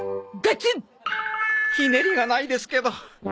ひねりがないですけど。